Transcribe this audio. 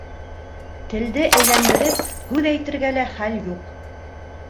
Телде әйләндереп һүҙ әйтергә хәл юк.